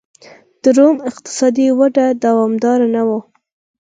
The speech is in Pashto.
د روم اقتصادي وده دوامداره نه وه.